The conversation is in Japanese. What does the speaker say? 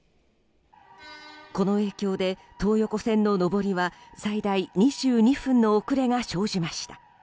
この影響で東横線の上りは最大２２分の遅れが生じました。